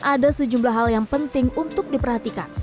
ada sejumlah hal yang penting untuk diperhatikan